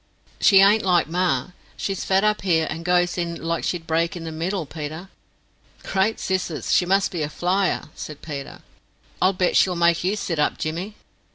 "She ain't like ma. She's fat up here, and goes in like she'd break in the middle, Peter." "Great scissors! she must be a flyer," said Peter. "I'll bet she'll make you sit up, Jimmy."